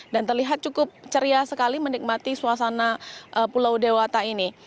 dan terlihat cukup ceria sekali menikmati suasana pulau dewata ini